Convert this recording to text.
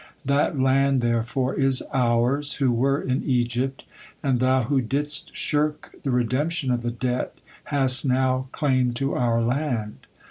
That land, therefore, is ours, who were in Egypt, and thou who didst shirk the redemption of the debt, hast now claim to our land.